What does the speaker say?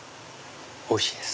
おいしいです。